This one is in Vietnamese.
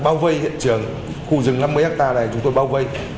bao vây hiện trường khu rừng năm mươi hectare này chúng tôi bao vây